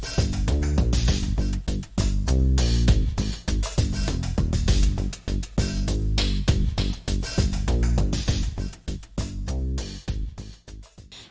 เมื่อกี้ก็ไม่มีเมื่อกี้